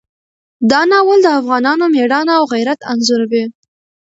دا ناول د افغانانو مېړانه او غیرت انځوروي.